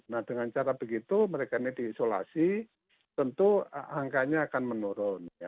nah dengan cara begitu mereka ini diisolasi tentu angkanya akan menurun